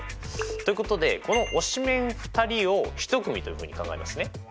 ということでこの推しメン２人を一組というふうに考えますね。